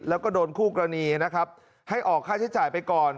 แล้วก็โดนคู่กรณีนะครับให้ออกค่าใช้จ่ายไปก่อน